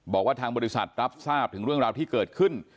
บอกว่าทางบริษัทรับทราบถึงเรื่องราวที่เกิดขึ้น